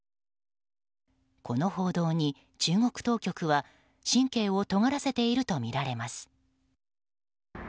この報道に中国当局は、神経をとがらせているとみられます。